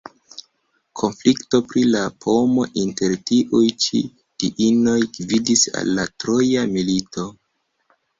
Konflikto pri la pomo inter tiuj ĉi diinoj gvidis al la Troja milito.